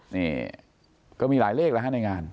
นี่ก็มีหลายเลขแล้วฮะในงาน